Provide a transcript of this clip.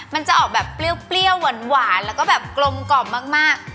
มันจะออกแบบเปรี้ยวหวานแล้วก็แบบกลมกล่อมมาก